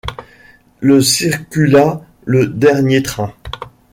Le circula le dernier train.